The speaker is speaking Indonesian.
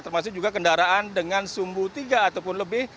termasuk juga kendaraan dengan sumbu tiga ataupun lebih